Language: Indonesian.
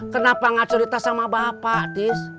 kenapa gak cerita sama bapak dis